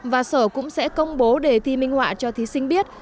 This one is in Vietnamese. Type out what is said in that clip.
và sở cũng sẽ công bố đề thi minh họa cho thí sinh biết